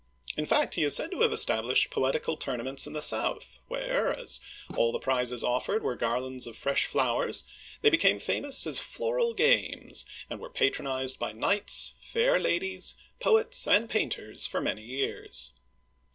In fact, he is said to have established poetical tournaments in the south, where — as all the prizes offered were garlands of fresh flowers — they became famous as "Floral Games," and were patronized by knights, fair ladies, poets, and painters for many years.